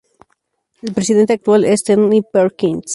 El presidente actual es Tony Perkins.